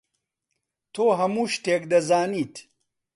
تۆ هەموو شتێک دەزانیت.